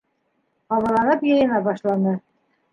Ҡабаланып йыйына башланы.